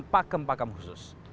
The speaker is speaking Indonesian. dengan pakem pakem khusus